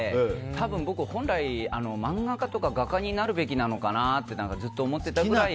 多分、本来、漫画家とか画家になるべきなのかなってずっと思ってたぐらい。